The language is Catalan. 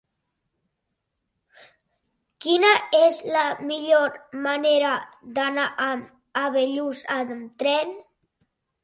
Quina és la millor manera d'anar a Bellús amb tren?